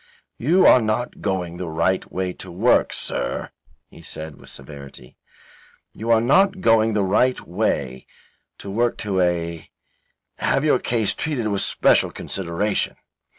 "You are not going the right way to work, Sir," he said, with severity. "You are not going the right way to work to a have your case treated with special consideration.